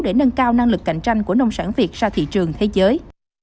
để nâng cao năng lực cạnh tranh của nông sản việt ra thị trường thế giới